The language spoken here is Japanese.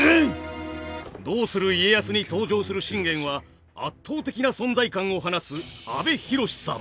「どうする家康」に登場する信玄は圧倒的な存在感を放つ阿部寛さん。